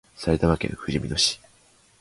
埼玉県ふじみ野市